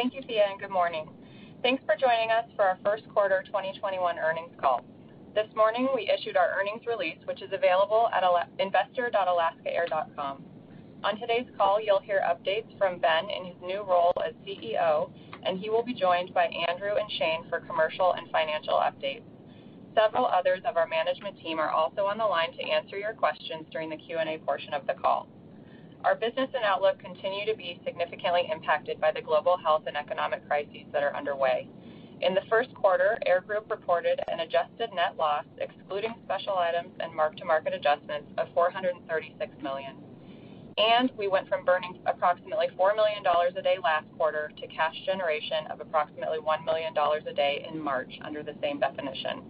Thank you, Thea. Good morning. Thanks for joining us for our first quarter 2021 earnings call. This morning, we issued our earnings release, which is available at investor.alaskaair.com. On today's call, you'll hear updates from Ben in his new role as CEO. He will be joined by Andrew and Shane for commercial and financial updates. Several others of our management team are also on the line to answer your questions during the Q&A portion of the call. Our business and outlook continue to be significantly impacted by the global health and economic crises that are underway. In the first quarter, Air Group reported an adjusted net loss, excluding special items and mark-to-market adjustments, of $436 million. We went from burning approximately $4 million a day last quarter to cash generation of approximately $1 million a day in March under the same definition.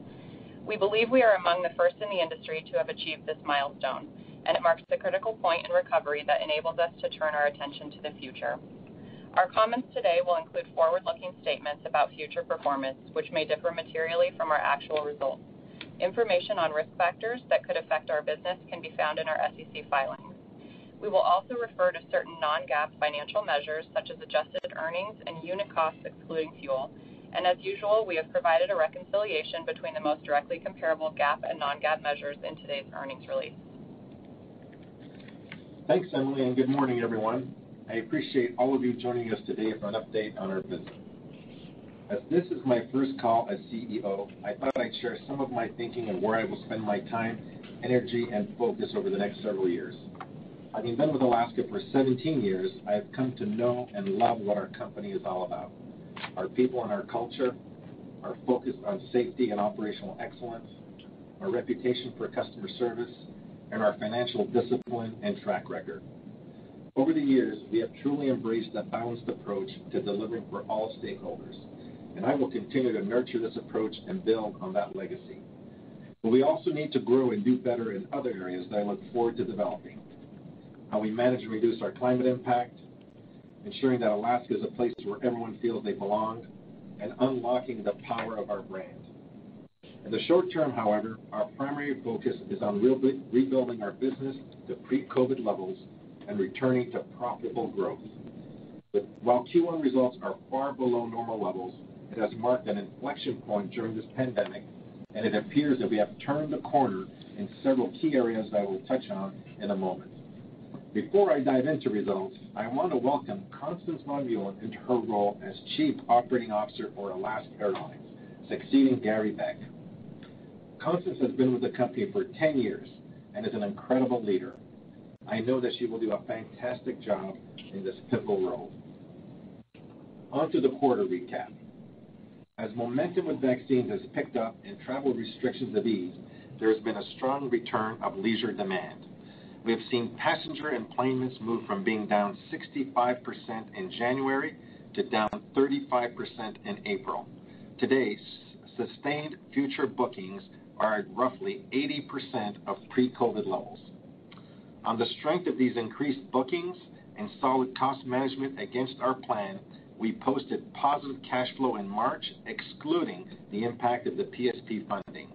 We believe we are among the first in the industry to have achieved this milestone, and it marks a critical point in recovery that enables us to turn our attention to the future. Our comments today will include forward-looking statements about future performance, which may differ materially from our actual results. Information on risk factors that could affect our business can be found in our SEC filings. We will also refer to certain non-GAAP financial measures, such as adjusted earnings and unit costs, excluding fuel. As usual, we have provided a reconciliation between the most directly comparable GAAP and non-GAAP measures in today's earnings release. Thanks, Emily. Good morning, everyone. I appreciate all of you joining us today for an update on our business. As this is my first call as CEO, I thought I'd share some of my thinking on where I will spend my time, energy, and focus over the next several years. Having been with Alaska for 17 years, I have come to know and love what our company is all about. Our people and our culture, our focus on safety and operational excellence, our reputation for customer service, and our financial discipline and track record. Over the years, we have truly embraced a balanced approach to delivering for all stakeholders, and I will continue to nurture this approach and build on that legacy. We also need to grow and do better in other areas that I look forward to developing. How we manage to reduce our climate impact, ensuring that Alaska is a place where everyone feels they belong, and unlocking the power of our brand. In the short term, however, our primary focus is on rebuilding our business to pre-COVID levels and returning to profitable growth. While Q1 results are far below normal levels, it has marked an inflection point during this pandemic, and it appears that we have turned the corner in several key areas that we'll touch on in a moment. Before I dive into results, I want to welcome Constance von Muehlen into her role as Chief Operating Officer for Alaska Airlines, succeeding Gary Beck. Constance has been with the company for 10 years and is an incredible leader. I know that she will do a fantastic job in this pivotal role. On to the quarter recap. As momentum with vaccines has picked up and travel restrictions have eased, there has been a strong return of leisure demand. We have seen passenger enplanements move from being down 65% in January to down 35% in April. Today, sustained future bookings are at roughly 80% of pre-COVID levels. On the strength of these increased bookings and solid cost management against our plan, we posted positive cash flow in March, excluding the impact of the PSP funding.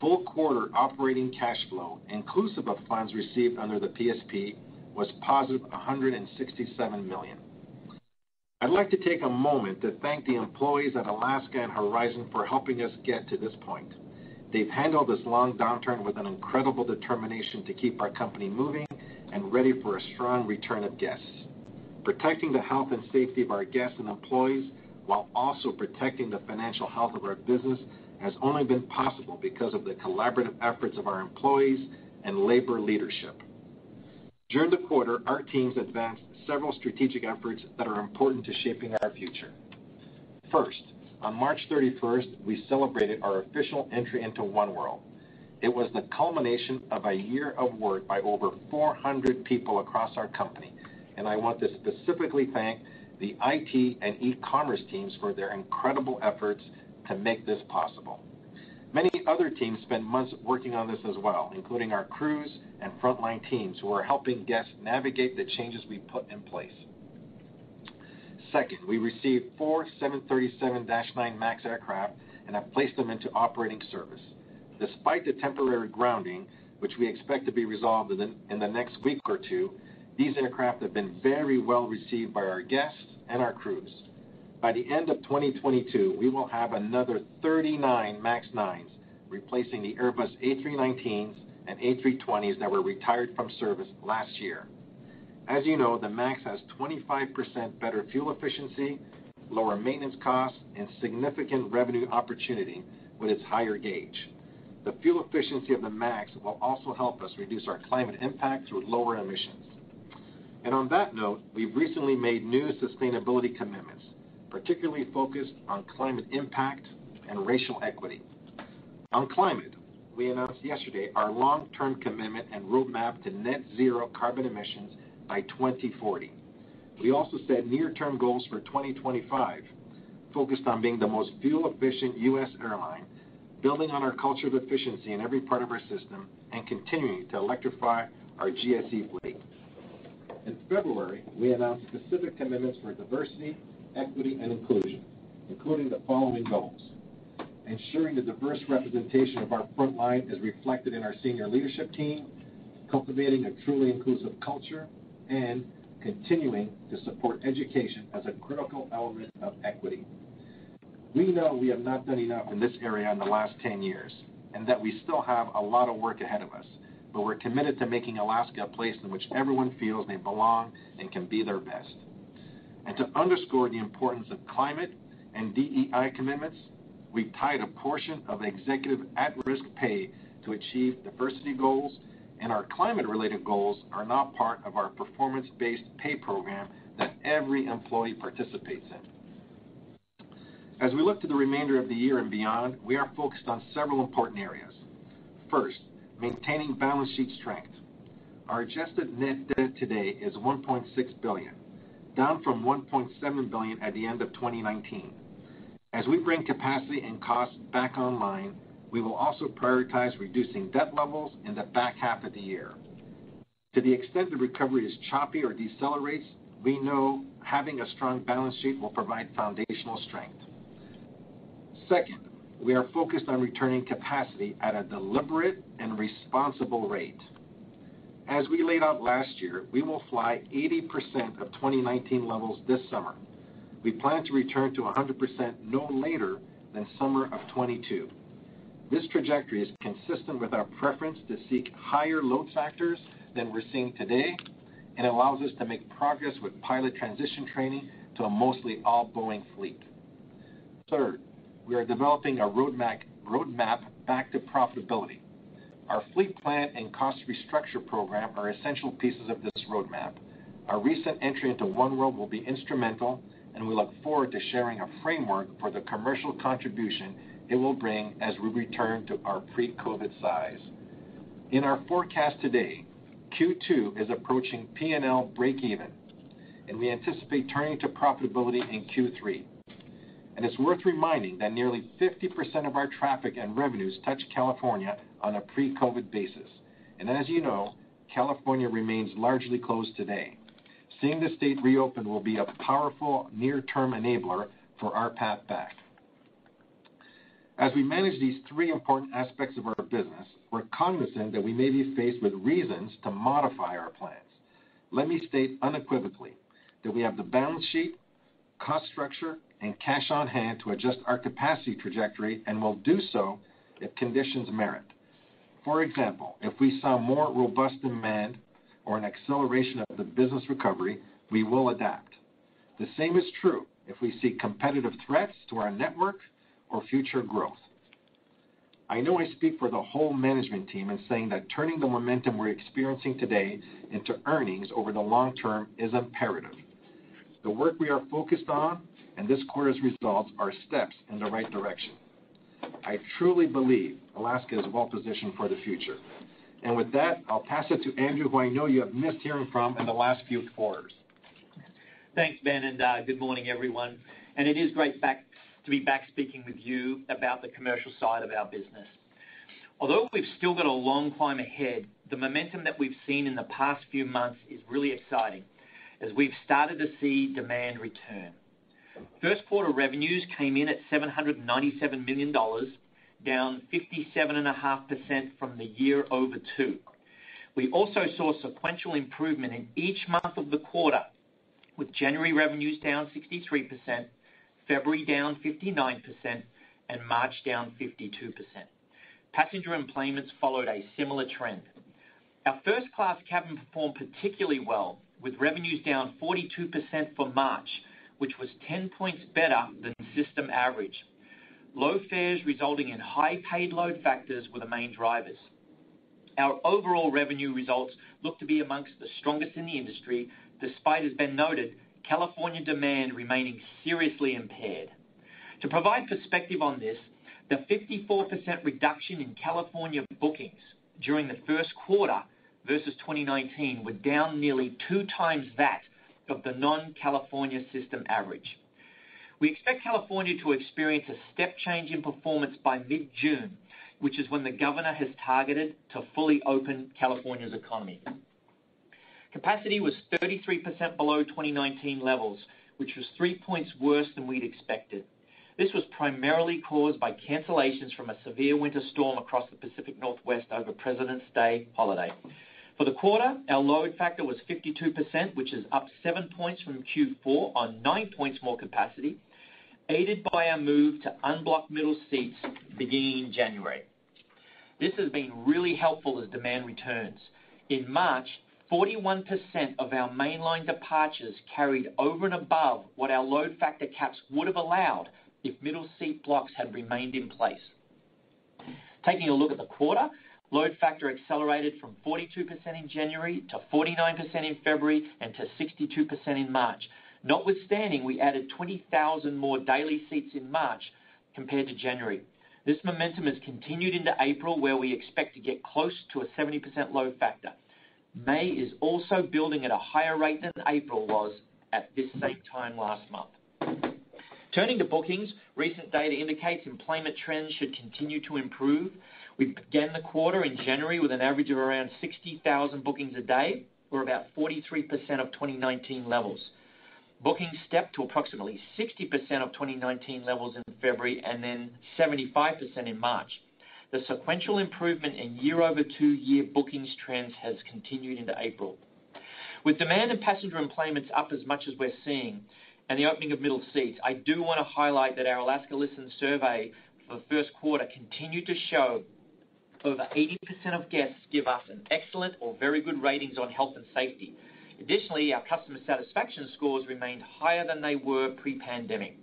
Full-quarter operating cash flow, inclusive of funds received under the PSP, was positive $167 million. I'd like to take a moment to thank the employees at Alaska and Horizon for helping us get to this point. They've handled this long downturn with an incredible determination to keep our company moving and ready for a strong return of guests. Protecting the health and safety of our guests and employees while also protecting the financial health of our business has only been possible because of the collaborative efforts of our employees and labor leadership. During the quarter, our teams advanced several strategic efforts that are important to shaping our future. On March 31st, we celebrated our official entry into oneworld. It was the culmination of a year of work by over 400 people across our company, and I want to specifically thank the IT and e-commerce teams for their incredible efforts to make this possible. Many other teams spent months working on this as well, including our crews and frontline teams who are helping guests navigate the changes we put in place. We received four 737-9 MAX aircraft and have placed them into operating service. Despite the temporary grounding, which we expect to be resolved in the next week or two, these aircraft have been very well received by our guests and our crews. By the end of 2022, we will have another 39 MAX 9s replacing the Airbus A319s and A320s that were retired from service last year. As you know, the MAX has 25% better fuel efficiency, lower maintenance costs, and significant revenue opportunity with its higher gauge. The fuel efficiency of the MAX will also help us reduce our climate impact through lower emissions. On that note, we've recently made new sustainability commitments, particularly focused on climate impact and racial equity. On climate, we announced yesterday our long-term commitment and roadmap to net zero carbon emissions by 2040. We also set near-term goals for 2025 focused on being the most fuel-efficient U.S. airline, building on our culture of efficiency in every part of our system, and continuing to electrify our GSE fleet. In February, we announced specific commitments for Diversity, Equity, and Inclusion, including the following goals. Ensuring the diverse representation of our frontline is reflected in our senior leadership team, cultivating a truly inclusive culture, and continuing to support education as a critical element of equity. We know we have not done enough in this area in the last 10 years, and that we still have a lot of work ahead of us, but we're committed to making Alaska a place in which everyone feels they belong and can be their best. To underscore the importance of climate and DEI commitments, we tied a portion of executive at-risk pay to achieve diversity goals, and our climate-related goals are now part of our Performance-Based Pay program that every employee participates in. As we look to the remainder of the year and beyond, we are focused on several important areas. First, maintaining balance sheet strength. Our adjusted net debt today is $1.6 billion, down from $1.7 billion at the end of 2019. As we bring capacity and cost back online, we will also prioritize reducing debt levels in the back half of the year. To the extent the recovery is choppy or decelerates, we know having a strong balance sheet will provide foundational strength. Second, we are focused on returning capacity at a deliberate and responsible rate. As we laid out last year, we will fly 80% of 2019 levels this summer. We plan to return to 100% no later than summer of 2022. This trajectory is consistent with our preference to seek higher load factors than we're seeing today, and allows us to make progress with pilot transition training to a mostly all-Boeing fleet. Third, we are developing a roadmap back to profitability. Our fleet plan and cost restructure program are essential pieces of this roadmap. Our recent entry into oneworld will be instrumental, and we look forward to sharing a framework for the commercial contribution it will bring as we return to our pre-COVID size. In our forecast today, Q2 is approaching P&L breakeven, and we anticipate turning to profitability in Q3. It's worth reminding that nearly 50% of our traffic and revenues touch California on a pre-COVID basis. As you know, California remains largely closed today. Seeing the state reopen will be a powerful near-term enabler for our path back. As we manage these three important aspects of our business, we're cognizant that we may be faced with reasons to modify our plans. Let me state unequivocally that we have the balance sheet, cost structure, and cash on hand to adjust our capacity trajectory and will do so if conditions merit. For example, if we saw more robust demand or an acceleration of the business recovery, we will adapt. The same is true if we see competitive threats to our network or future growth. I know I speak for the whole management team in saying that turning the momentum we're experiencing today into earnings over the long term is imperative. The work we are focused on and this quarter's results are steps in the right direction. I truly believe Alaska is well-positioned for the future. With that, I'll pass it to Andrew, who I know you have missed hearing from in the last few quarters. Thanks, Ben. Good morning, everyone. It is great to be back speaking with you about the commercial side of our business. Although we've still got a long climb ahead, the momentum that we've seen in the past few months is really exciting as we've started to see demand return. First quarter revenues came in at $797 million, down 57.5% from the year over two. We also saw sequential improvement in each month of the quarter, with January revenues down 63%, February down 59%, and March down 52%. Passenger enplanements followed a similar trend. Our first-class cabin performed particularly well, with revenues down 42% for March, which was 10 points better than system average. Low fares resulting in high paid load factors were the main drivers. Our overall revenue results look to be amongst the strongest in the industry, despite, as Ben noted, California demand remaining seriously impaired. To provide perspective on this, the 54% reduction in California bookings during the first quarter versus 2019 were down nearly two times that of the non-California system average. We expect California to experience a step change in performance by mid-June, which is when the governor has targeted to fully open California's economy. Capacity was 33% below 2019 levels, which was three points worse than we'd expected. This was primarily caused by cancellations from a severe winter storm across the Pacific Northwest over Presidents' Day holiday. For the quarter, our load factor was 52%, which is up seven points from Q4 on nine points more capacity, aided by our move to unblock middle seats beginning in January. This has been really helpful as demand returns. In March, 41% of our mainline departures carried over and above what our load factor caps would have allowed if middle seat blocks had remained in place. Taking a look at the quarter, load factor accelerated from 42% in January to 49% in February and to 62% in March. Notwithstanding, we added 20,000 more daily seats in March compared to January. This momentum has continued into April, where we expect to get close to a 70% load factor. May is also building at a higher rate than April was at this same time last month. Turning to bookings, recent data indicates employment trends should continue to improve. We began the quarter in January with an average of around 60,000 bookings a day, or about 43% of 2019 levels. Bookings stepped to approximately 60% of 2019 levels in February and then 75% in March. The sequential improvement in year-over two-year bookings trends has continued into April. With demand and passenger enplanements up as much as we're seeing and the opening of middle seats, I do want to highlight that our Alaska Listens survey for the first quarter continued to show over 80% of guests give us an excellent or very good ratings on health and safety. Additionally, our customer satisfaction scores remained higher than they were pre-pandemic.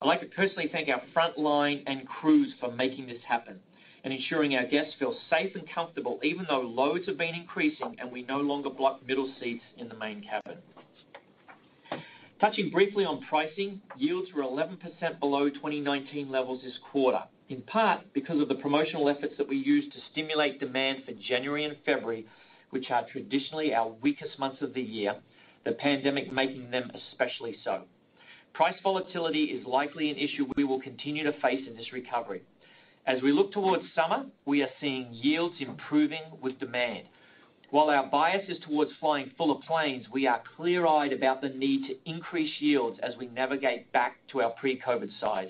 I'd like to personally thank our frontline and crews for making this happen and ensuring our guests feel safe and comfortable, even though loads have been increasing and we no longer block middle seats in the main cabin. Touching briefly on pricing, yields were 11% below 2019 levels this quarter, in part because of the promotional efforts that we used to stimulate demand for January and February, which are traditionally our weakest months of the year, the pandemic making them especially so. Price volatility is likely an issue we will continue to face in this recovery. As we look towards summer, we are seeing yields improving with demand. While our bias is towards flying fuller planes, we are clear-eyed about the need to increase yields as we navigate back to our pre-COVID size.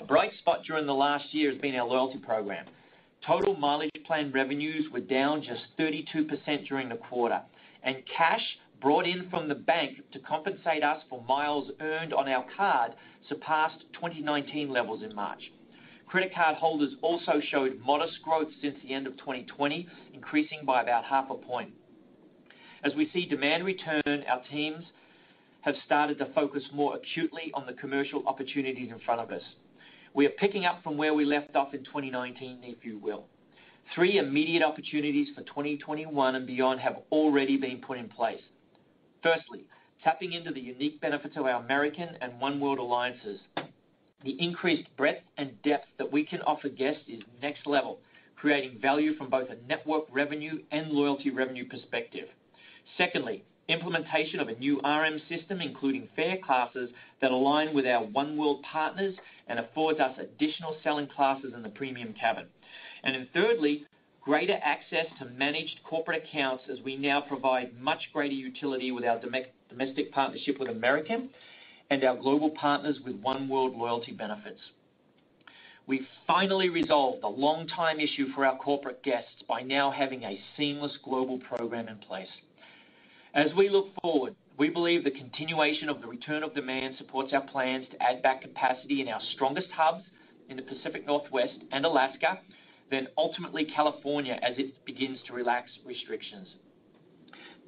A bright spot during the last year has been our loyalty program. Total Mileage Plan revenues were down just 32% during the quarter, and cash brought in from the bank to compensate us for miles earned on our card surpassed 2019 levels in March. Credit card holders also showed modest growth since the end of 2020, increasing by about half a point. As we see demand return, our teams have started to focus more acutely on the commercial opportunities in front of us. We are picking up from where we left off in 2019, if you will. Three immediate opportunities for 2021 and beyond have already been put in place. Firstly, tapping into the unique benefits of our American and oneworld alliances. The increased breadth and depth that we can offer guests is next level, creating value from both a network revenue and loyalty revenue perspective. Secondly, implementation of a new RM system, including fare classes that align with our oneworld partners and affords us additional selling classes in the premium cabin. Thirdly, greater access to managed corporate accounts as we now provide much greater utility with our domestic partnership with American Airlines and our global partners with oneworld loyalty benefits. We finally resolved a long-time issue for our corporate guests by now having a seamless global program in place. We look forward, we believe the continuation of the return of demand supports our plans to add back capacity in our strongest hubs in the Pacific Northwest and Alaska, ultimately California as it begins to relax restrictions.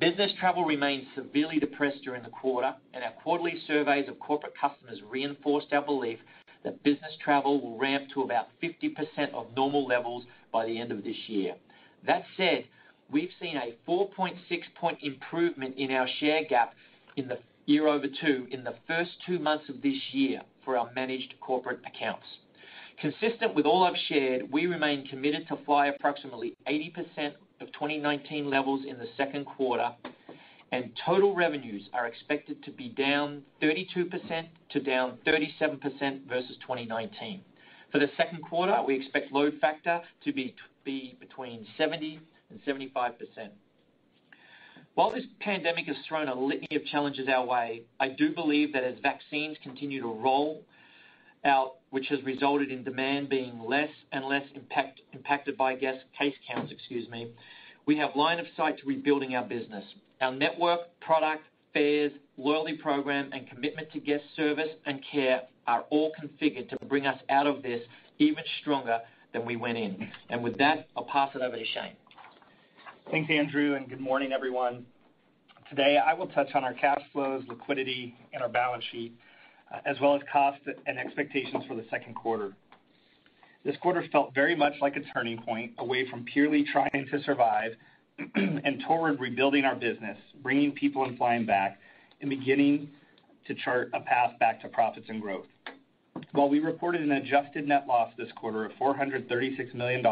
Business travel remained severely depressed during the quarter, our quarterly surveys of corporate customers reinforced our belief that business travel will ramp to about 50% of normal levels by the end of this year. That said, we've seen a 4.6-point improvement in our share gap in the year over two in the first two months of this year for our managed corporate accounts. Consistent with all I've shared, we remain committed to fly approximately 80% of 2019 levels in the second quarter, total revenues are expected to be down 32%-37% versus 2019. For the second quarter, we expect load factor to be between 70% and 75%. While this pandemic has thrown a litany of challenges our way, I do believe that as vaccines continue to roll out, which has resulted in demand being less and less impacted by guest case counts, excuse me, we have line of sight to rebuilding our business. Our network, product, fares, loyalty program, and commitment to guest service and care are all configured to bring us out of this even stronger than we went in. With that, I'll pass it over to Shane. Thanks, Andrew, good morning, everyone. Today, I will touch on our cash flows, liquidity, and our balance sheet, as well as cost and expectations for the second quarter. This quarter felt very much like a turning point away from purely trying to survive and toward rebuilding our business, bringing people and flying back and beginning to chart a path back to profits and growth. While we reported an adjusted net loss this quarter of $436 million,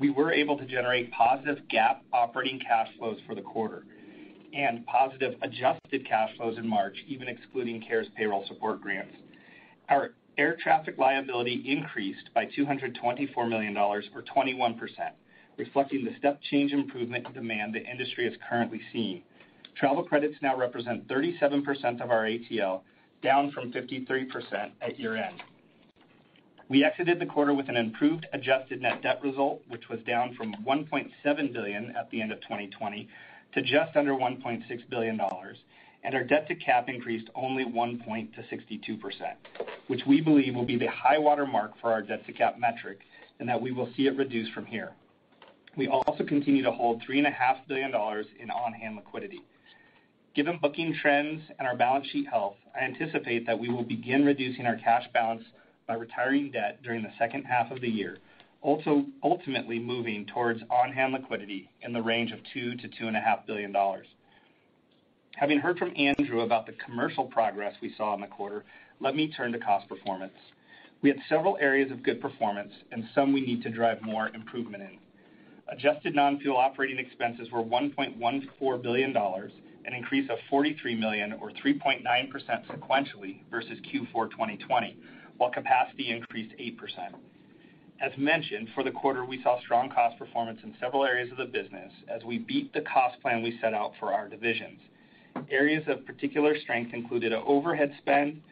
we were able to generate positive GAAP operating cash flows for the quarter and positive adjusted cash flows in March, even excluding CARES Payroll Support Program grants. Our air traffic liability increased by $224 million or 21%, reflecting the step change improvement in demand the industry is currently seeing. Travel credits now represent 37% of our ATL, down from 53% at year-end. We exited the quarter with an improved adjusted net debt result, which was down from $1.7 billion at the end of 2020 to just under $1.6 billion. Our debt-to-cap increased only one point to 62%, which we believe will be the high water mark for our debt-to-cap metric and that we will see it reduce from here. We also continue to hold $3.5 billion in on-hand liquidity. Given booking trends and our balance sheet health, I anticipate that we will begin reducing our cash balance by retiring debt during the second half of the year, also ultimately moving towards on-hand liquidity in the range of $2 billion-$2.5 billion. Having heard from Andrew about the commercial progress we saw in the quarter, let me turn to cost performance. We had several areas of good performance and some we need to drive more improvement in. Adjusted non-fuel operating expenses were $1.14 billion, an increase of $43 million or 3.9% sequentially versus Q4 2020, while capacity increased 8%. As mentioned, for the quarter, we saw strong cost performance in several areas of the business as we beat the cost plan we set out for our divisions. Areas of particular strength included overhead spend,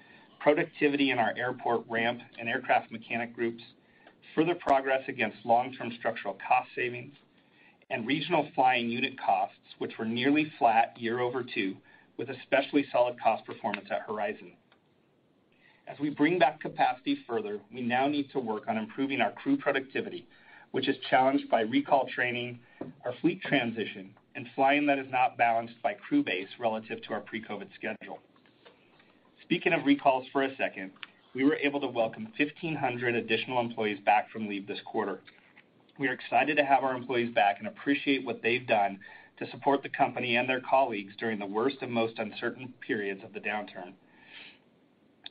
productivity in our airport ramp and aircraft mechanic groups, further progress against long-term structural cost savings, and regional flying unit costs, which were nearly flat year over two, with especially solid cost performance at Horizon. As we bring back capacity further, we now need to work on improving our crew productivity, which is challenged by recall training, our fleet transition, and flying that is not balanced by crew base relative to our pre-COVID schedule. Speaking of recalls for a second, we were able to welcome 1,500 additional employees back from leave this quarter. We are excited to have our employees back and appreciate what they've done to support the company and their colleagues during the worst and most uncertain periods of the downturn.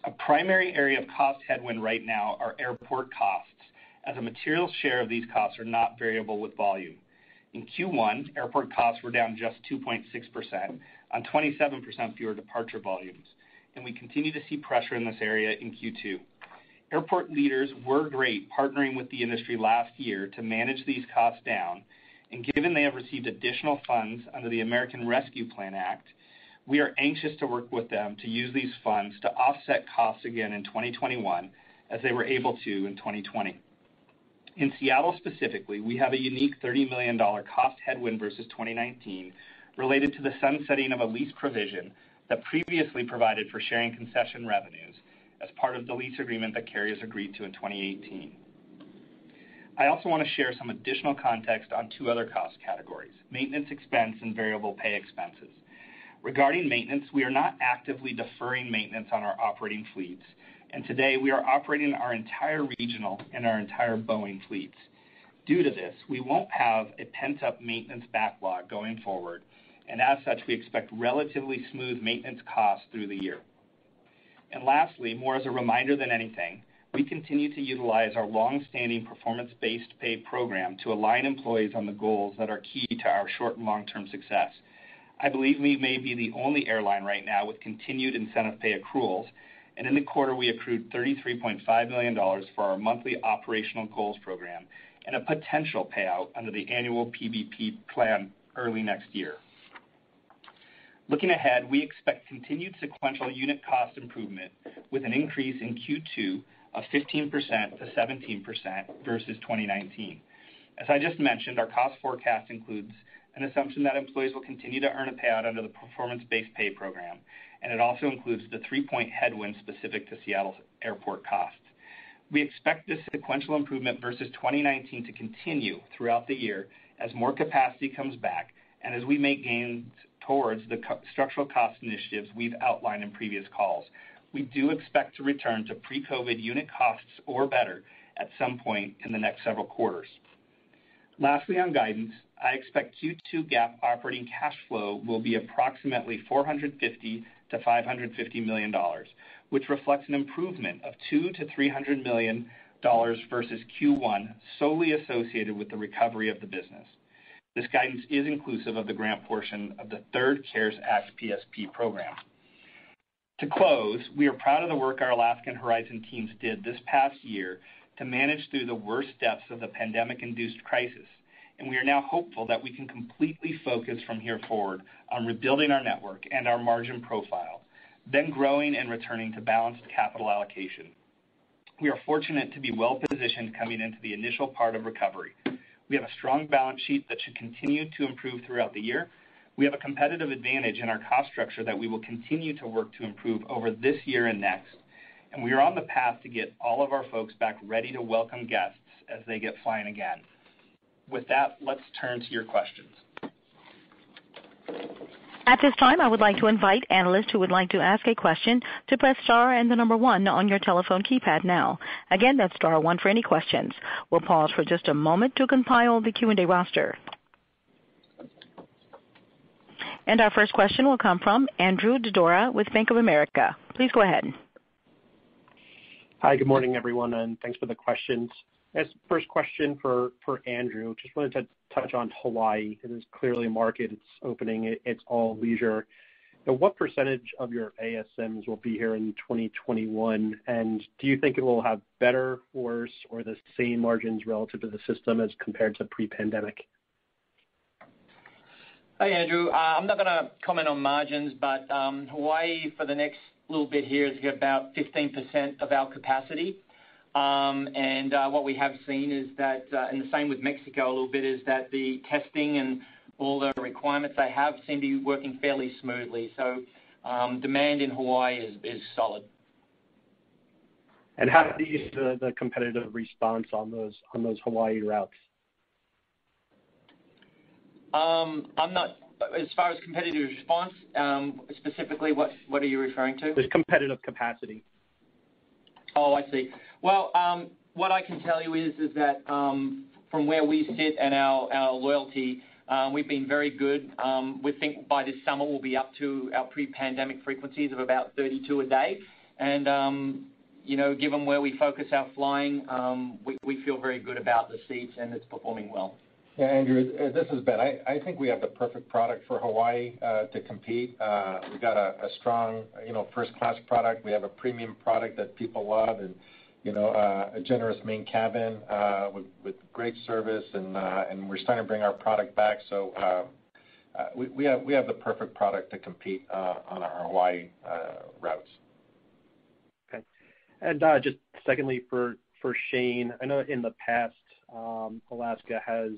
A primary area of cost headwind right now are airport costs, as a material share of these costs are not variable with volume. In Q1, airport costs were down just 2.6% on 27% fewer departure volumes, and we continue to see pressure in this area in Q2. Airport leaders were great partnering with the industry last year to manage these costs down, and given they have received additional funds under the American Rescue Plan Act, we are anxious to work with them to use these funds to offset costs again in 2021, as they were able to in 2020. In Seattle specifically, we have a unique $30 million cost headwind versus 2019 related to the sunsetting of a lease provision that previously provided for sharing concession revenues as part of the lease agreement that carriers agreed to in 2018. I also want to share some additional context on two other cost categories, maintenance expense and variable pay expenses. Regarding maintenance, we are not actively deferring maintenance on our operating fleets, and today we are operating our entire regional and our entire Boeing fleets. Due to this, we won't have a pent-up maintenance backlog going forward, and as such, we expect relatively smooth maintenance costs through the year. Lastly, more as a reminder than anything, we continue to utilize our long-standing Performance-Based Pay program to align employees on the goals that are key to our short and long-term success. I believe we may be the only airline right now with continued incentive pay accruals. In the quarter, we accrued $33.5 million for our monthly operational goals program and a potential payout under the annual PBP plan early next year. Looking ahead, we expect continued sequential unit cost improvement with an increase in Q2 of 15%-17% versus 2019. As I just mentioned, our cost forecast includes an assumption that employees will continue to earn a payout under the Performance-Based Pay program. It also includes the three-point headwind specific to Seattle's airport cost. We expect this sequential improvement versus 2019 to continue throughout the year as more capacity comes back and as we make gains towards the structural cost initiatives we've outlined in previous calls. We do expect to return to pre-COVID unit costs or better at some point in the next several quarters. Lastly, on guidance, I expect Q2 GAAP operating cash flow will be approximately $450 million-$550 million, which reflects an improvement of $200 million-$300 million versus Q1 solely associated with the recovery of the business. This guidance is inclusive of the grant portion of the third CARES Act PSP program. To close, we are proud of the work our Alaska and Horizon teams did this past year to manage through the worst depths of the pandemic-induced crisis. We are now hopeful that we can completely focus from here forward on rebuilding our network and our margin profile, growing and returning to balanced capital allocation. We are fortunate to be well-positioned coming into the initial part of recovery. We have a strong balance sheet that should continue to improve throughout the year. We have a competitive advantage in our cost structure that we will continue to work to improve over this year and next, and we are on the path to get all of our folks back ready to welcome guests as they get flying again. With that, let's turn to your questions. At this time I'd like to invite analysts who would like to ask questions to press star and number one on their telephone keypad. Again it is star one for questions. We'll just pause for amoment to compile our Q&A roster. Our first question will come from Andrew Didora with Bank of America. Please go ahead. Hi, good morning, everyone, and thanks for the questions. First question for Andrew, just wanted to touch on Hawaii. It is clearly a market. It's opening. It's all leisure. What percentage of your ASMs will be here in 2021, and do you think it will have better, worse, or the same margins relative to the system as compared to pre-pandemic? Hi, Andrew. I'm not going to comment on margins, but Hawaii for the next little bit here is about 15% of our capacity. What we have seen is that, and the same with Mexico a little bit, is that the testing and all the requirements they have seem to be working fairly smoothly. Demand in Hawaii is solid. How is the competitive response on those Hawaii routes? As far as competitive response, specifically, what are you referring to? The competitive capacity. Oh, I see. Well, what I can tell you is that from where we sit and our loyalty, we've been very good. We think by this summer, we'll be up to our pre-pandemic frequencies of about 32 a day. Given where we focus our flying, we feel very good about the seats and it's performing well. Yeah, Andrew, this is Ben. I think we have the perfect product for Hawaii to compete. We've got a strong first-class product. We have a premium product that people love and a generous main cabin with great service, and we're starting to bring our product back. We have the perfect product to compete on our Hawaii routes. Okay. Just secondly, for Shane, I know in the past, Alaska has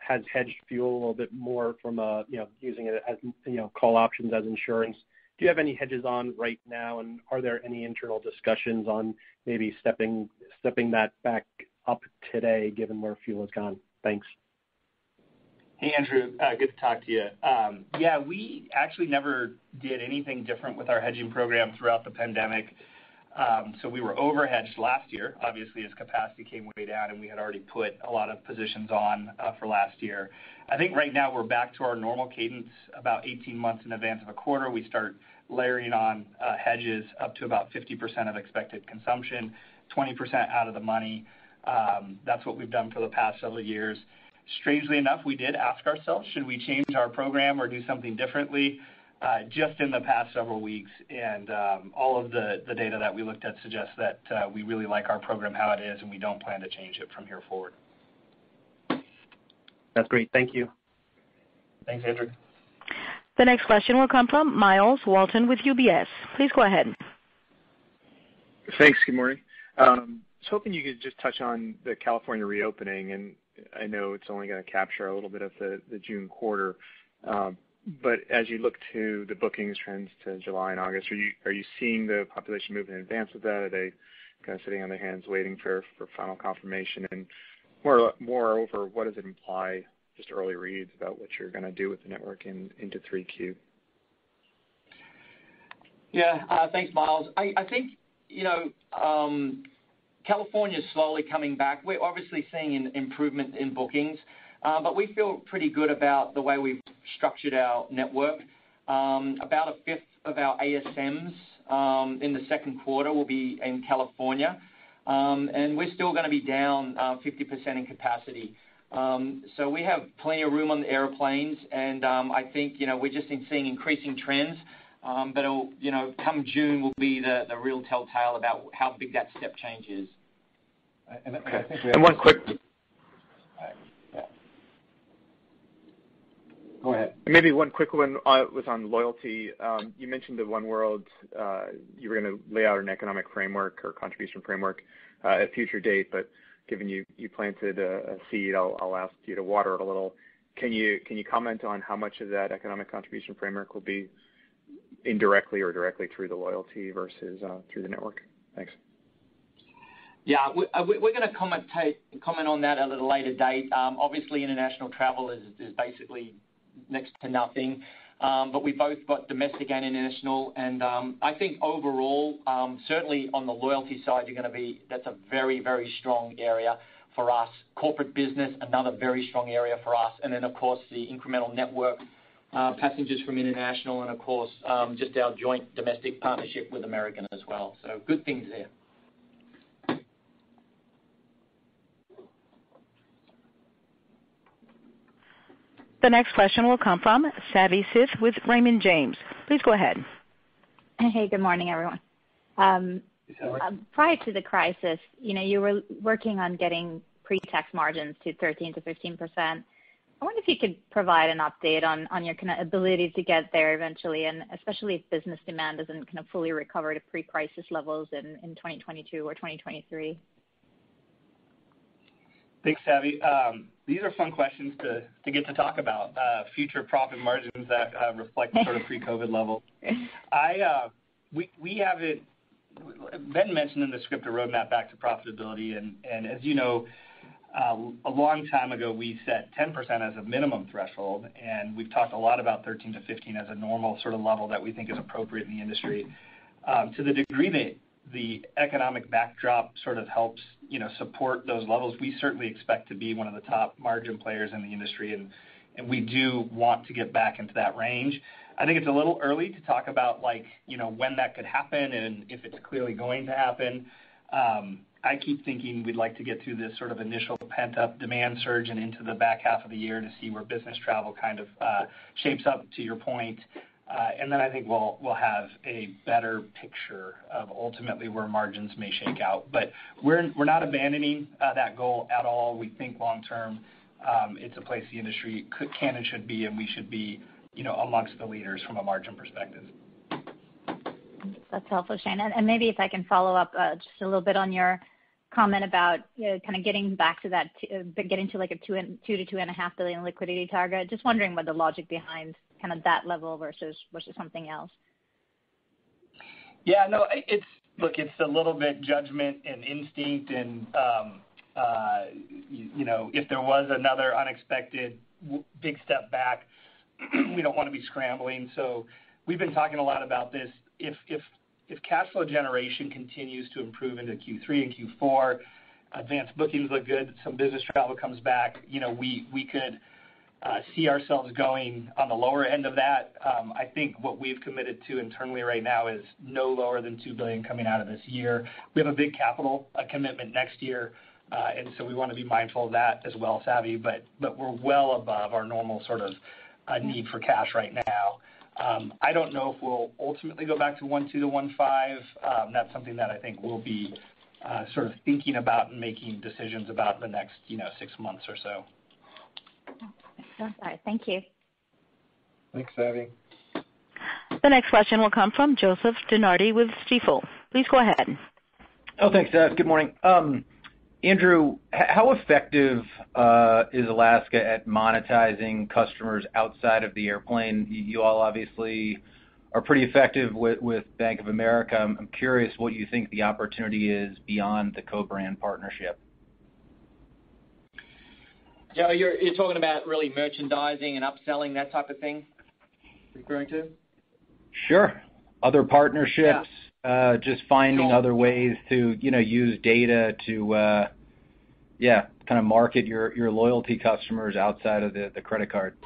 hedged fuel a little bit more from using it as call options, as insurance. Do you have any hedges on right now? Are there any internal discussions on maybe stepping that back up today given where fuel has gone? Thanks. Hey, Andrew. Good to talk to you. Yeah, we actually never did anything different with our hedging program throughout the pandemic. We were over-hedged last year, obviously, as capacity came way down, and we had already put a lot of positions on for last year. I think right now we're back to our normal cadence, about 18 months in advance of a quarter. We start layering on hedges up to about 50% of expected consumption, 20% out of the money. That's what we've done for the past several years. Strangely enough, we did ask ourselves, should we change our program or do something differently just in the past several weeks? All of the data that we looked at suggests that we really like our program how it is, and we don't plan to change it from here forward. That's great. Thank you. Thanks, Andrew. The next question will come from Myles Walton with UBS. Please go ahead. Thanks. Good morning. Just hoping you could just touch on the California reopening, and I know it's only going to capture a little bit of the June quarter. As you look to the bookings trends to July and August, are you seeing the population move in advance of that? Are they kind of sitting on their hands waiting for final confirmation? Moreover, what does it imply, just early reads about what you're going to do with the network into 3Q? Yeah. Thanks, Myles. I think California's slowly coming back. We're obviously seeing an improvement in bookings, but we feel pretty good about the way we've structured our network. About a fifth of our ASMs in the second quarter will be in California, and we're still going to be down 50% in capacity. We have plenty of room on the airplanes, and I think we're just seeing increasing trends. Come June will be the real telltale about how big that step change is. And I think we have- And one quick- Yeah. Go ahead. Maybe one quick one was on loyalty. You mentioned that oneworld, you were going to lay out an economic framework or contribution framework at a future date. Given you planted a seed, I'll ask you to water it a little. Can you comment on how much of that economic contribution framework will be indirectly or directly through the loyalty versus through the network? Thanks. Yeah. We're going to comment on that at a later date. Obviously, international travel is basically next to nothing, but we both got domestic and international. I think overall, certainly on the loyalty side, that's a very strong area for us. Corporate business, another very strong area for us. Then, of course, the incremental network passengers from international and of course, just our joint domestic partnership with American as well. Good things there. The next question will come from Savi Syth with Raymond James. Please go ahead. Hey, good morning, everyone. Hey, Savi. Prior to the crisis, you were working on getting pre-tax margins to 13%-15%. I wonder if you could provide an update on your kind of ability to get there eventually, and especially if business demand doesn't kind of fully recover to pre-crisis levels in 2022 or 2023. Thanks, Savi. These are fun questions to get to talk about, future profit margins that reflect sort of pre-COVID level. Ben mentioned in the script a roadmap back to profitability, and as you know, a long time ago, we set 10% as a minimum threshold, and we've talked a lot about 13%-15% as a normal sort of level that we think is appropriate in the industry. To the degree that the economic backdrop sort of helps support those levels, we certainly expect to be one of the top margin players in the industry, and we do want to get back into that range. I think it's a little early to talk about when that could happen and if it's clearly going to happen. I keep thinking we'd like to get through this sort of initial pent-up demand surge and into the back half of the year to see where business travel kind of shapes up, to your point. I think we'll have a better picture of ultimately where margins may shake out. We're not abandoning that goal at all. We think long term it's a place the industry can and should be, and we should be amongst the leaders from a margin perspective. That's helpful, Shane. Maybe if I can follow up just a little bit on your comment about kind of getting to like a $2 billion-$2.5 billion liquidity target. Just wondering what the logic behind kind of that level versus something else. Yeah. Look, it's a little bit judgment and instinct and if there was another unexpected big step back, we don't want to be scrambling. We've been talking a lot about this. If cash flow generation continues to improve into Q3 and Q4, advanced bookings look good, some business travel comes back, we could see ourselves going on the lower end of that. I think what we've committed to internally right now is no lower than $2 billion coming out of this year. We have a big capital commitment next year. We want to be mindful of that as well, Savi. We're well above our normal sort of need for cash right now. I don't know if we'll ultimately go back to $1.2-$1.5. That's something that I think we'll be sort of thinking about and making decisions about in the next six months or so. Okay. Sounds all right. Thank you. Thanks, Savi. The next question will come from Joseph DeNardi with Stifel. Please go ahead. Oh, thanks. Good morning. Andrew, how effective is Alaska at monetizing customers outside of the airplane? You all obviously are pretty effective with Bank of America. I'm curious what you think the opportunity is beyond the co-brand partnership. Joe, you're talking about really merchandising and upselling, that type of thing? Referring to? Sure. Other partnerships. Yeah just finding other ways to use data to kind of market your loyalty customers outside of the credit card.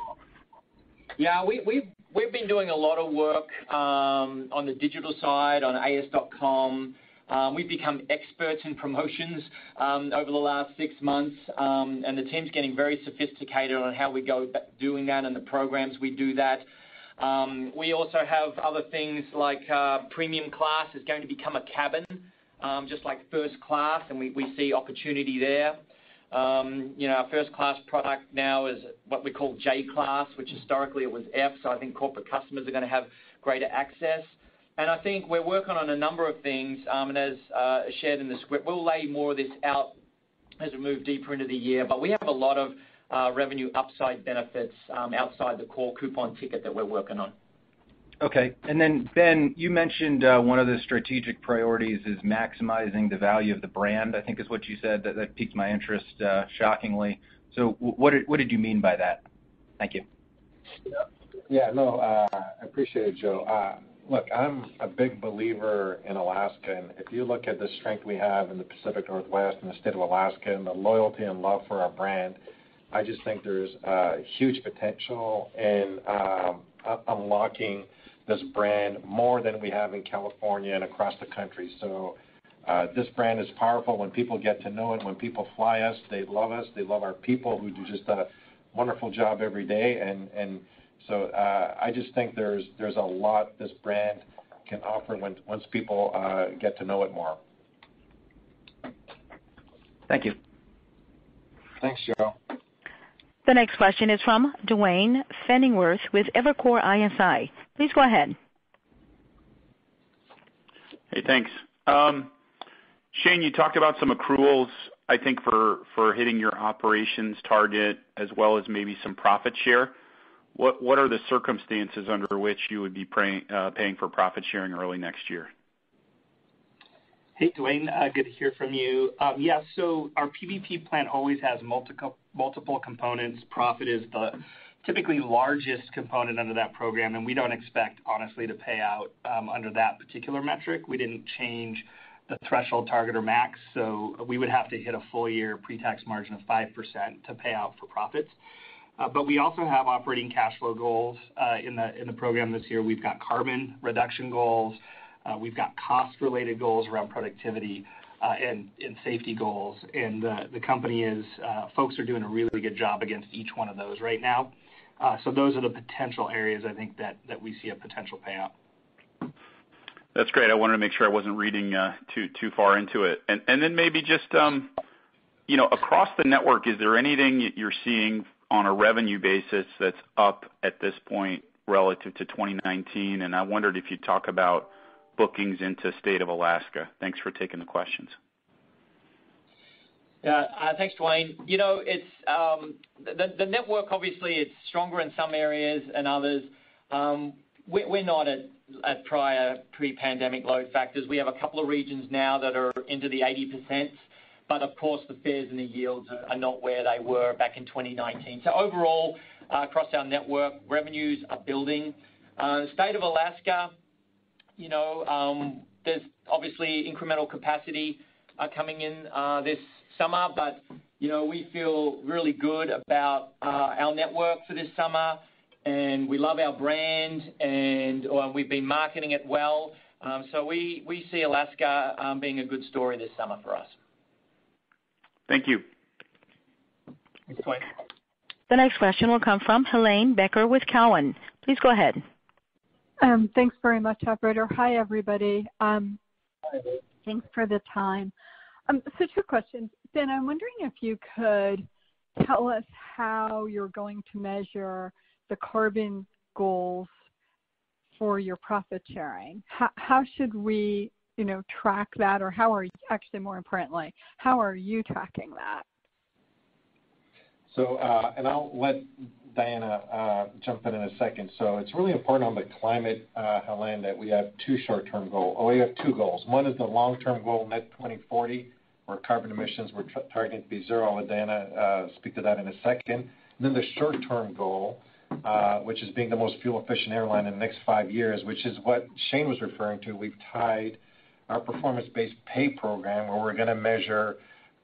Yeah, we've been doing a lot of work on the digital side, on alaskaair.com. We've become experts in promotions over the last six months, and the team's getting very sophisticated on how we go about doing that and the programs we do that. We also have other things like Premium Class is going to become a cabin, just like first class, and we see opportunity there. Our first-class product now is what we call J class, which historically it was F, so I think corporate customers are going to have greater access. I think we're working on a number of things, and as shared in the script, we'll lay more of this out as we move deeper into the year. We have a lot of revenue upside benefits outside the core coupon ticket that we're working on. Okay. Ben, you mentioned one of the strategic priorities is maximizing the value of the brand, I think is what you said. That piqued my interest, shockingly. What did you mean by that? Thank you. Yeah. No. I appreciate it, Joe. Look, I'm a big believer in Alaska, and if you look at the strength we have in the Pacific Northwest and the state of Alaska and the loyalty and love for our brand, I just think there's huge potential in unlocking this brand more than we have in California and across the country. This brand is powerful when people get to know it. When people fly us, they love us. They love our people who do just a wonderful job every day. I just think there's a lot this brand can offer once people get to know it more. Thank you. Thanks, Joe. The next question is from Duane Pfennigwerth with Evercore ISI. Please go ahead. Hey, thanks. Shane, you talked about some accruals, I think, for hitting your operations target as well as maybe some profit share. What are the circumstances under which you would be paying for profit-sharing early next year? Hey, Duane. Good to hear from you. Our PBP plan always has multiple components. Profit is the typically largest component under that program, and we don't expect, honestly, to pay out under that particular metric. We didn't change the threshold target or max. We would have to hit a full-year pre-tax margin of 5% to pay out for profits. We also have operating cash flow goals in the program this year. We've got carbon reduction goals. We've got cost-related goals around productivity and safety goals. The company, folks are doing a really good job against each one of those right now. Those are the potential areas I think that we see a potential payout. That's great. I wanted to make sure I wasn't reading too far into it. Maybe just across the network, is there anything that you're seeing on a revenue basis that's up at this point relative to 2019? I wondered if you'd talk about bookings into state of Alaska. Thanks for taking the questions. Yeah. Thanks, Duane. The network obviously is stronger in some areas than others. We're not at prior pre-pandemic load factors. We have a couple of regions now that are into the 80%, but of course, the fares and the yields are not where they were back in 2019. Overall, across our network, revenues are building. State of Alaska, there's obviously incremental capacity coming in this summer, but we feel really good about our network for this summer, and we love our brand and we've been marketing it well. We see Alaska being a good story this summer for us. Thank you. Thanks, Duane. The next question will come from Helane Becker with Cowen. Please go ahead. Thanks very much, operator. Hi, everybody. Thanks for the time. Two questions. Ben, I'm wondering if you could tell us how you're going to measure the carbon goals for your profit sharing. How should we track that, or actually, more importantly, how are you tracking that? I'll let Diana jump in in a second. It's really important on the climate, Helane, that we have two goals. One is the long-term goal, net 2040, where carbon emissions we're targeting to be zero, and Diana will speak to that in a second. Then the short-term goal- Being the most fuel-efficient airline in the next five years, which is what Shane was referring to. We've tied our Performance-Based Pay program where we're going to measure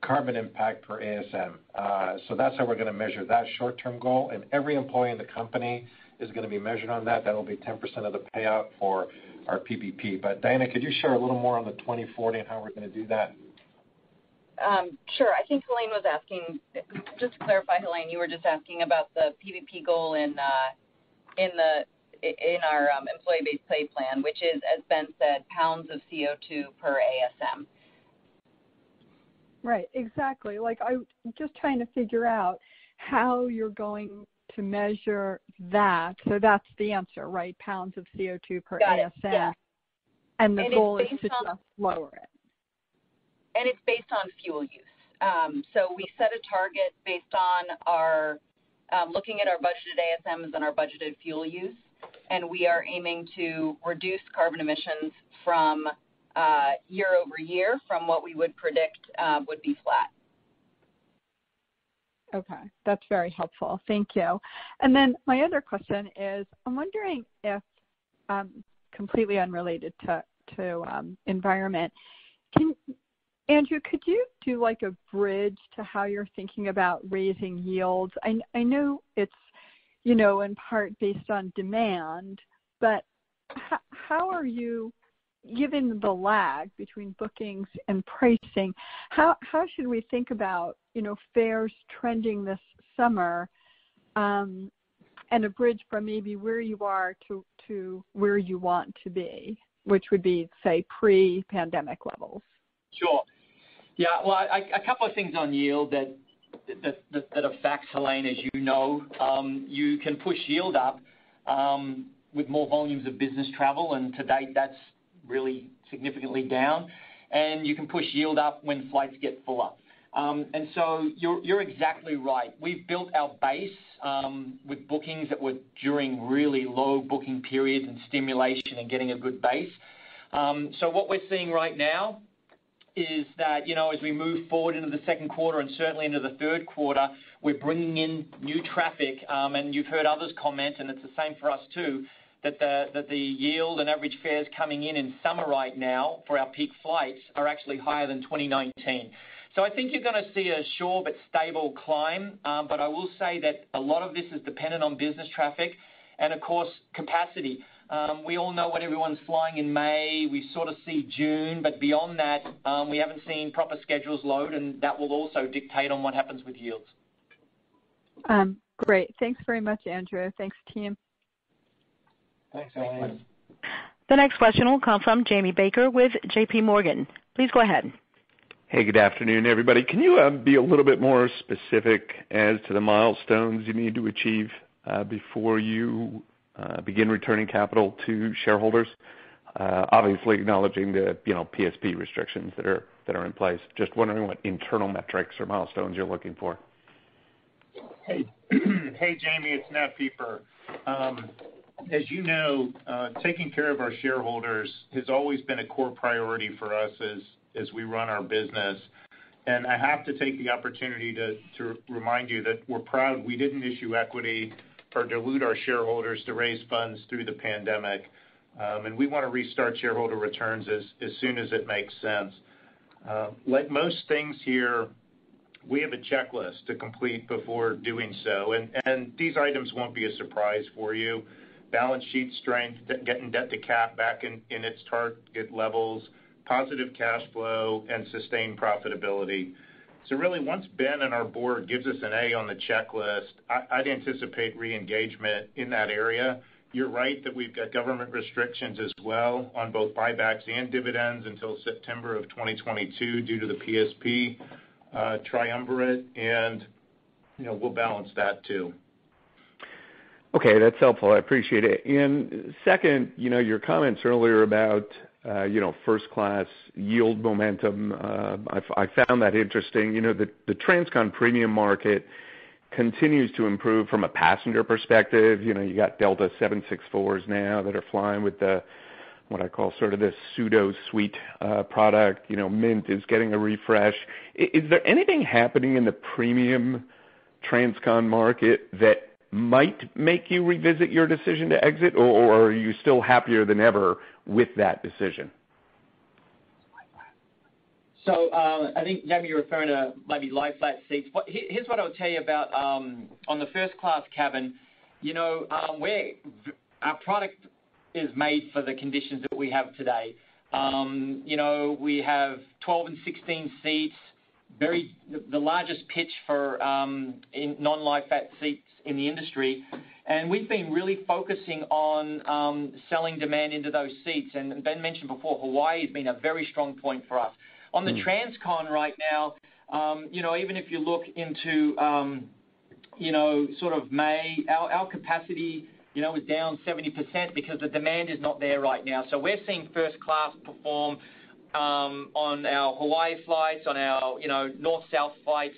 carbon impact per ASM. That's how we're going to measure that short-term goal, and every employee in the company is going to be measured on that. That'll be 10% of the payout for our PBP. Diana, could you share a little more on the 2040 and how we're going to do that? Sure. I think Helane was asking, just to clarify, Helane, you were just asking about the PBP goal in our employee-based pay plan, which is, as Ben said, pounds of CO2 per ASM. Right, exactly. I'm just trying to figure out how you're going to measure that. That's the answer, right? Pounds of CO2 per ASM. Got it. Yeah. The goal is to lower it. It's based on fuel use. We set a target based on looking at our budgeted ASMs and our budgeted fuel use, and we are aiming to reduce carbon emissions from year-over-year from what we would predict would be flat. Okay. That's very helpful. Thank you. My other question is, I'm wondering if, completely unrelated to environment, Andrew, could you do a bridge to how you're thinking about raising yields? I know it's in part based on demand, but how are you, given the lag between bookings and pricing, how should we think about fares trending this summer, and a bridge from maybe where you are to where you want to be, which would be, say, pre-pandemic levels? Well, a couple of things on yield that affect, Helane, as you know, you can push yield up with more volumes of business travel. To date, that's really significantly down. You can push yield up when flights get fuller. You're exactly right. We've built our base with bookings that were during really low booking periods and stimulation and getting a good base. What we're seeing right now is that as we move forward into the second quarter and certainly into the third quarter, we're bringing in new traffic. You've heard others comment, and it's the same for us too, that the yield and average fares coming in in summer right now for our peak flights are actually higher than 2019. I think you're going to see a sure but stable climb. I will say that a lot of this is dependent on business traffic and of course, capacity. We all know what everyone's flying in May. We sort of see June, but beyond that, we haven't seen proper schedules load, and that will also dictate on what happens with yields. Great. Thanks very much, Andrew. Thanks, team. Thanks, Helane. The next question will come from Jamie Baker with JPMorgan. Please go ahead. Hey, good afternoon, everybody. Can you be a little bit more specific as to the milestones you need to achieve before you begin returning capital to shareholders, obviously acknowledging the PSP restrictions that are in place? Just wondering what internal metrics or milestones you're looking for. Hey, Jamie, it's Nat Pieper. As you know, taking care of our shareholders has always been a core priority for us as we run our business. I have to take the opportunity to remind you that we're proud we didn't issue equity or dilute our shareholders to raise funds through the pandemic. We want to restart shareholder returns as soon as it makes sense. Like most things here, we have a checklist to complete before doing so, and these items won't be a surprise for you. Balance sheet strength, getting debt to cap back in its target levels, positive cash flow, and sustained profitability. Once Ben and our board gives us an A on the checklist, I'd anticipate re-engagement in that area. You're right that we've got government restrictions as well on both buybacks and dividends until September of 2022 due to the PSP triumvirate, and we'll balance that too. Okay, that's helpful. I appreciate it. Second, your comments earlier about first-class yield momentum, I found that interesting. The transcon premium market continues to improve from a passenger perspective. You got Delta 764s now that are flying with the, what I call sort of this pseudo-suite product. Mint is getting a refresh. Is there anything happening in the premium transcon market that might make you revisit your decision to exit, or are you still happier than ever with that decision? I think, Jamie, you're referring to maybe lie-flat seats. Here's what I would tell you about on the first-class cabin. Our product is made for the conditions that we have today. We have 12 and 16 seats, the largest pitch for non-lie-flat seats in the industry. We've been really focusing on selling demand into those seats. Ben mentioned before, Hawaii has been a very strong point for us. On the transcon right now, even if you look into sort of May, our capacity was down 70% because the demand is not there right now. We're seeing first class perform on our Hawaii flights, on our north-south flights,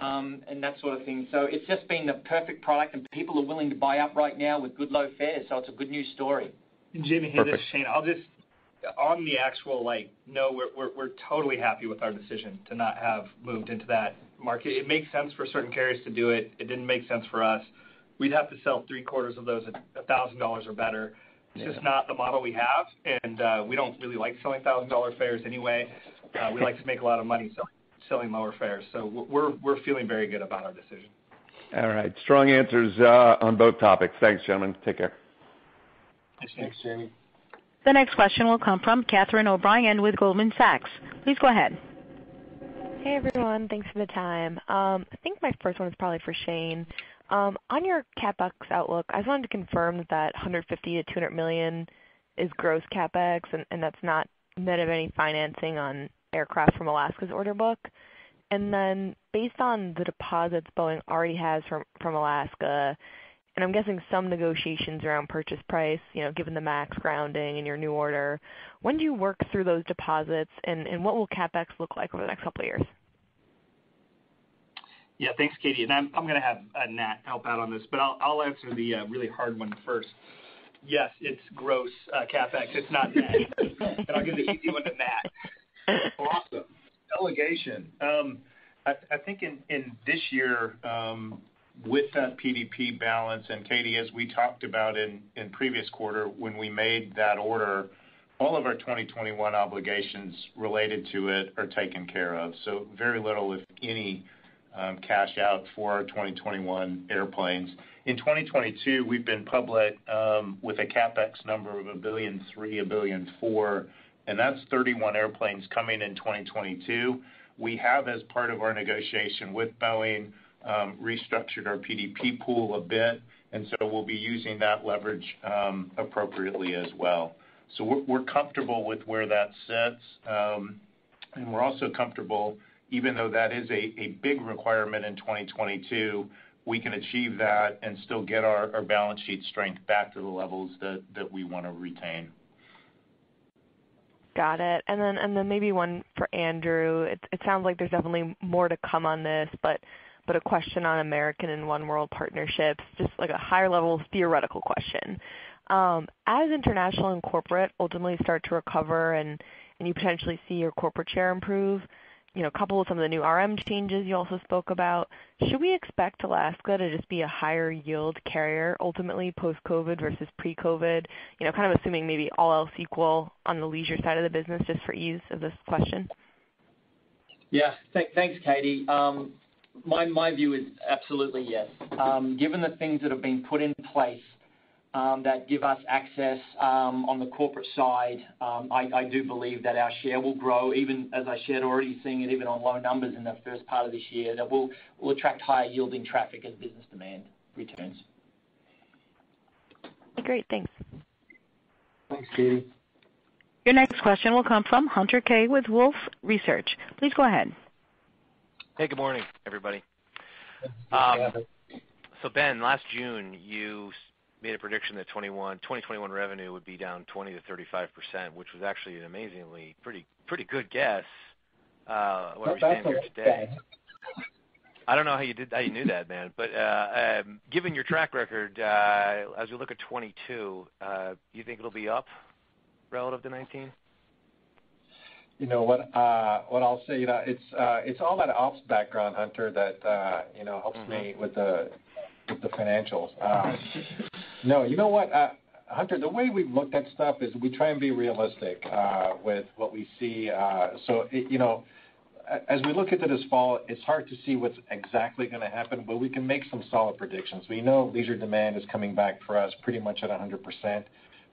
and that sort of thing. It's just been the perfect product and people are willing to buy up right now with good low fares, so it's a good news story. Jamie, hear this, Shane. I'll just On the actual, no, we're totally happy with our decision to not have moved into that market. It makes sense for certain carriers to do it. It didn't make sense for us. We'd have to sell three-quarters of those at $1,000 or better. Yeah. It's just not the model we have, and we don't really like selling $1,000 fares anyway. We like to make a lot of money selling lower fares. We're feeling very good about our decision. All right. Strong answers on both topics. Thanks, gentlemen. Take care. Thanks. Thanks, Jamie. The next question will come from Catherine O'Brien with Goldman Sachs. Please go ahead. Hey, everyone. Thanks for the time. I think my first one is probably for Shane. On your CapEx outlook, I just wanted to confirm that $150 million-$200 million is gross CapEx, and that's not net of any financing on aircraft from Alaska's order book. Then based on the deposits Boeing already has from Alaska, and I'm guessing some negotiations around purchase price, given the MAX grounding and your new order, when do you work through those deposits, and what will CapEx look like over the next couple of years? Thanks, Katie, I'm going to have Nat help out on this, but I'll answer the really hard one first. Yes, it's gross CapEx. It's not net. I'll give the easy one to Nat. Awesome. Allocation. I think in this year, with that PDP balance, Katie, as we talked about in previous quarter when we made that order, all of our 2021 obligations related to it are taken care of, very little if any cash-out for our 2021 airplanes. In 2022, we've been public with a CapEx number of $1.3 billion, $1.4 billion, that's 31 airplanes coming in 2022. We have, as part of our negotiation with Boeing, restructured our PDP pool a bit, we'll be using that leverage appropriately as well. We're comfortable with where that sits. We're also comfortable, even though that is a big requirement in 2022, we can achieve that and still get our balance sheet strength back to the levels that we want to retain. Got it. Then maybe one for Andrew. It sounds like there's definitely more to come on this, but a question on American Airlines and oneworld partnerships, just a higher-level theoretical question. As international and corporate ultimately start to recover and you potentially see your corporate share improve, coupled with some of the new RM changes you also spoke about, should we expect Alaska Airlines to just be a higher yield carrier ultimately post-COVID versus pre-COVID? Kind of assuming maybe all else equal on the leisure side of the business, just for ease of this question. Thanks, Katie. My view is absolutely yes. Given the things that have been put in place that give us access on the corporate side, I do believe that our share will grow, even as I shared already, seeing it even on low numbers in the first part of this year, that we'll attract higher yielding traffic as business demand returns. Great. Thanks. Thanks, Katie. Your next question will come from Hunter Keay with Wolfe Research. Please go ahead. Hey, good morning, everybody. Good morning. Ben, last June, you made a prediction that 2021 revenue would be down 20%-35%, which was actually an amazingly pretty good guess. That's what I said. where we stand here today. I don't know how you knew that, Ben. Given your track record, as we look at 2022, do you think it'll be up relative to 2019? What I'll say, it's all that ops background, Hunter, that helps me with the financials. No, you know what? Hunter, the way we've looked at stuff is we try and be realistic with what we see. As we look into this fall, it's hard to see what's exactly going to happen, but we can make some solid predictions. We know leisure demand is coming back for us pretty much at 100%.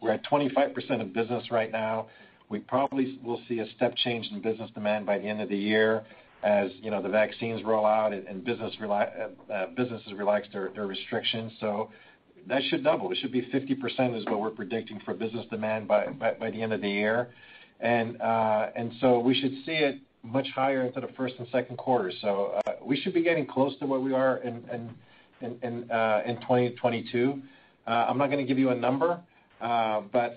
We're at 25% of business right now. We probably will see a step change in business demand by the end of the year as the vaccines roll out and businesses relax their restrictions. That should double. It should be 50%, is what we're predicting for business demand by the end of the year. We should see it much higher into the first and second quarter. We should be getting close to where we are in 2022. I'm not going to give you a number, but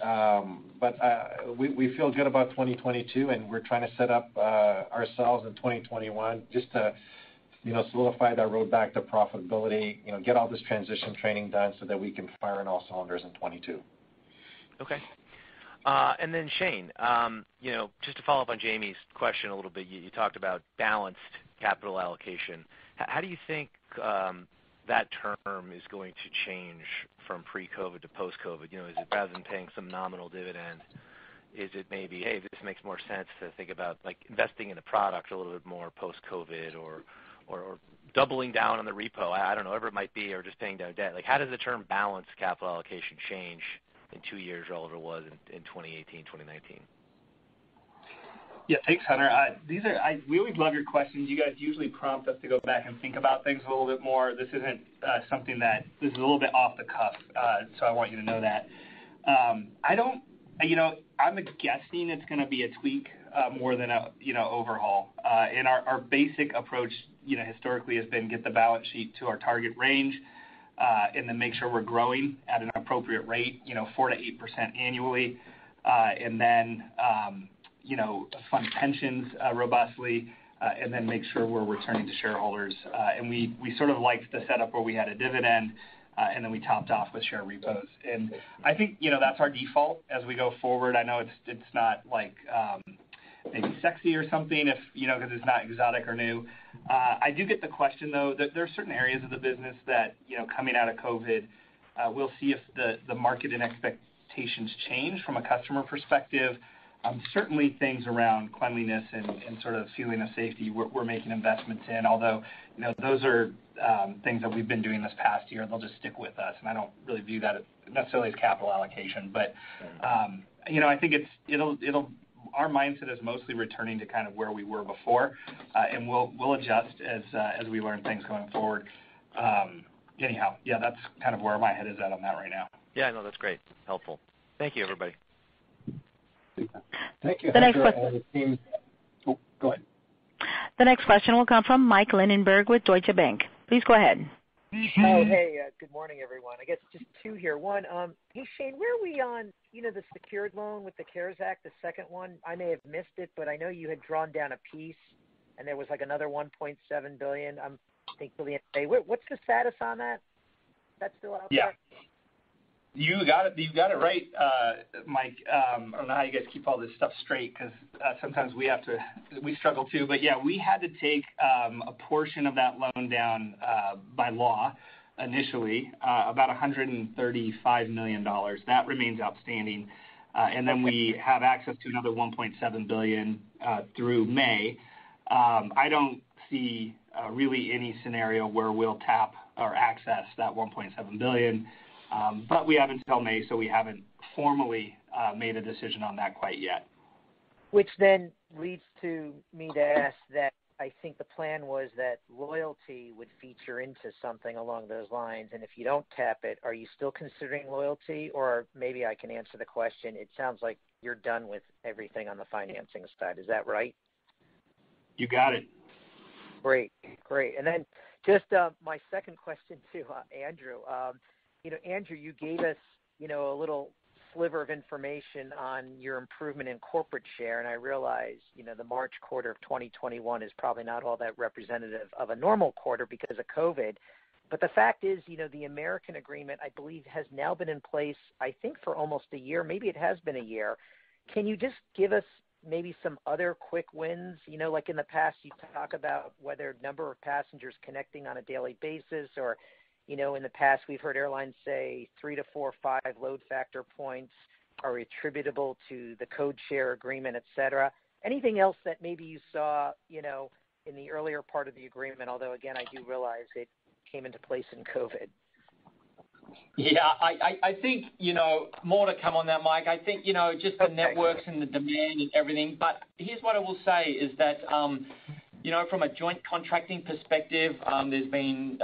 we feel good about 2022, and we're trying to set up ourselves in 2021 just to solidify that road back to profitability, get all this transition training done so that we can fire on all cylinders in 2022. Okay. Shane, just to follow up on Jamie's question a little bit, you talked about balanced capital allocation. How do you think that term is going to change from pre-COVID to post-COVID? Is it rather than paying some nominal dividend, is it maybe, hey, this makes more sense to think about investing in a product a little bit more post-COVID, or doubling down on the repo? I don't know. Whatever it might be, or just paying down debt. How does the term balanced capital allocation change in two years or however it was in 2018, 2019? Yeah, thanks, Hunter. We always love your questions. You guys usually prompt us to go back and think about things a little bit more. This is a little bit off the cuff, so I want you to know that. I'm guessing it's going to be a tweak more than an overhaul. Our basic approach historically has been get the balance sheet to our target range, then make sure we're growing at an appropriate rate, 4%-8% annually. Then fund pensions robustly, then make sure we're returning to shareholders. We sort of liked the setup where we had a dividend, then we topped off with share repos. I think that's our default as we go forward. I know it's not maybe sexy or something, because it's not exotic or new. I do get the question, though, that there are certain areas of the business that, coming out of COVID, we'll see if the market and expectations change from a customer perspective. Certainly things around cleanliness and sort of feeling of safety, we're making investments in, although, those are things that we've been doing this past year, and they'll just stick with us and I don't really view that necessarily as capital allocation. I think our mindset is mostly returning to kind of where we were before. We'll adjust as we learn things going forward. Anyhow, yeah, that's kind of where my head is at on that right now. Yeah, no, that's great. Helpful. Thank you, everybody. Thank you. The next question. Oh, go ahead. The next question will come from Michael Linenberg with Deutsche Bank. Please go ahead. Hey. Good morning, everyone. I guess just two here. One, Shane, where are we on the secured loan with the CARES Act, the second one? I know you had drawn down a piece and there was like another $1.7 billion, I'm thinking. What's the status on that? That still out there? Yeah. You've got it right, Mike. I don't know how you guys keep all this stuff straight, because sometimes we struggle too. Yeah, we had to take a portion of that loan down by law initially, about $135 million. That remains outstanding. We have access to another $1.7 billion through May. I don't see really any scenario where we'll tap or access that $1.7 billion, but we have until May, so we haven't formally made a decision on that quite yet. Which leads to me to ask that, I think the plan was that loyalty would feature into something along those lines, and if you don't tap it, are you still considering loyalty? Maybe I can answer the question. It sounds like you're done with everything on the financing side. Is that right? You got it. Great. Then my second question to Andrew Harrison. Andrew Harrison, you gave us a little sliver of information on your improvement in corporate share, and I realize the March quarter of 2021 is probably not all that representative of a normal quarter because of COVID. The fact is, the American agreement, I believe, has now been in place, I think for almost a year. Maybe it has been a year. Can you give us maybe some other quick wins? Like in the past, you talk about whether number of passengers connecting on a daily basis or, in the past we've heard airlines say three to four, five load factor points are attributable to the codeshare agreement, et cetera. Anything else that maybe you saw in the earlier part of the agreement, although again, I do realize it came into place in COVID. Yeah. More to come on that, Mike. I think just the networks and the demand and everything. Here's what I will say is that, from a joint contracting perspective, there's been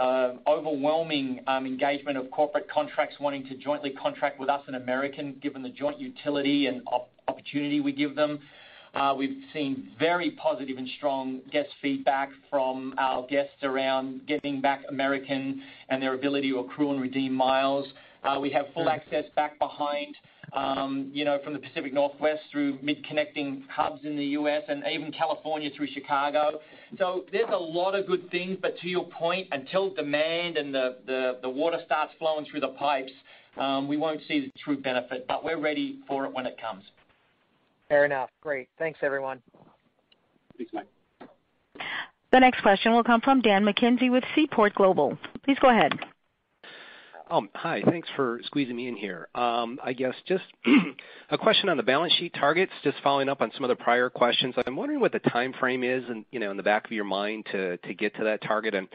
overwhelming engagement of corporate contracts wanting to jointly contract with us and American, given the joint utility and opportunity we give them. We've seen very positive and strong guest feedback from our guests around getting back American and their ability to accrue and redeem miles. We have full access back behind from the Pacific Northwest through mid-continent hubs in the U.S. and even California through Chicago. There's a lot of good things, but to your point, until demand and the water starts flowing through the pipes, we won't see the true benefit, but we're ready for it when it comes. Fair enough. Great. Thanks, everyone. Thanks, Mike. The next question will come from Dan McKenzie with Seaport Global. Please go ahead. Hi. Thanks for squeezing me in here. I guess just a question on the balance sheet targets, just following up on some of the prior questions. I'm wondering what the timeframe is in the back of your mind to get to that target, and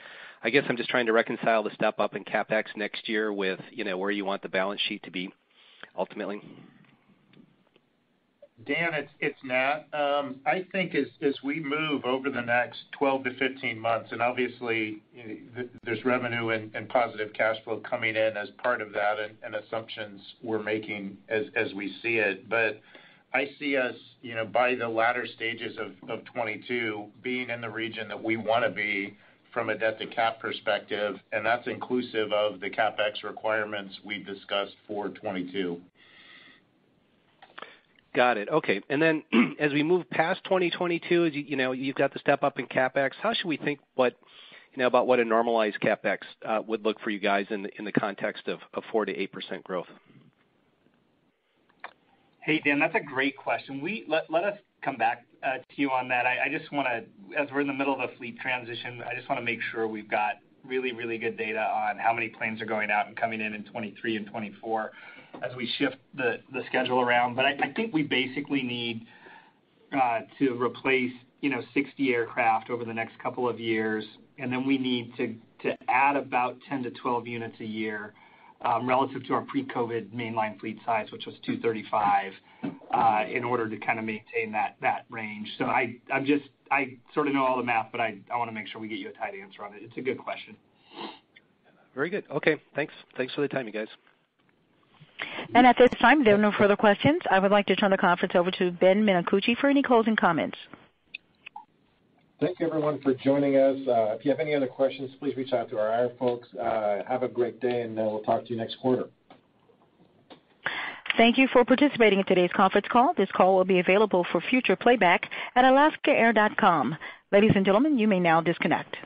I guess I'm just trying to reconcile the step up in CapEx next year with where you want the balance sheet to be ultimately. Dan, it's Nat Pieper. I think as we move over the next 12-15 months, and obviously there's revenue and positive cash flow coming in as part of that and assumptions we're making as we see it. I see us, by the latter stages of 2022, being in the region that we want to be from a debt to cap perspective, and that's inclusive of the CapEx requirements we've discussed for 2022. Got it. Okay. As we move past 2022, you've got the step up in CapEx. How should we think about what a normalized CapEx would look for you guys in the context of 4%-8% growth? Hey, Dan, that's a great question. Let us come back to you on that. We're in the middle of a fleet transition, I just want to make sure we've got really good data on how many planes are going out and coming in in 2023 and 2024 as we shift the schedule around. I think we basically need to replace 60 aircraft over the next couple of years, and then we need to add about 10-12 units a year relative to our pre-COVID mainline fleet size, which was 235, in order to kind of maintain that range. I sort of know all the math, but I want to make sure we get you a tight answer on it. It's a good question. Very good. Okay. Thanks for the time, you guys. At this time, there are no further questions. I would like to turn the conference over to Ben Minicucci for any closing comments. Thank you everyone for joining us. If you have any other questions, please reach out to our IR folks. Have a great day. We'll talk to you next quarter. Thank you for participating in today's conference call. This call will be available for future playback at alaskaair.com. Ladies and gentlemen, you may now disconnect.